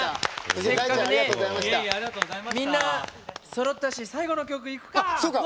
みんなそろったし最後の曲いくか！